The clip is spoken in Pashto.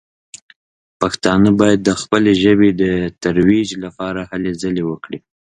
پښتانه باید د خپلې ژبې د ترویج لپاره هلې ځلې وکړي.